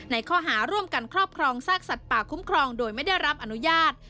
ในข้อหาร่วมกันครอบครองซากสัตว์ป่าคุ้มครองโดยไม่ได้รับอนุญาต